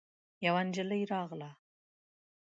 يوه نجلۍ راغله.